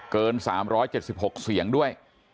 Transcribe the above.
เกิน๓๗๖เสียงด้วย